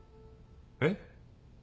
えっ⁉